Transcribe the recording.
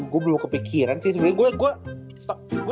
gue belum kepikiran sih